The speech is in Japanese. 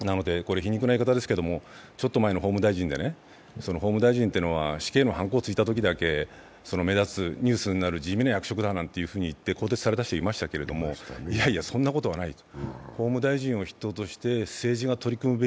なので、皮肉な言い方ですけれどもちょっと前の法務大臣でね法務大臣というのは死刑のはんこをついたときだけ注目される、地味な役職だと言って更迭された人がいましたけどいやいや、そんなことはないと。